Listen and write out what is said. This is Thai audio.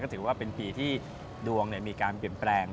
ถือว่าเป็นปีที่ดวงมีการเปลี่ยนแปลง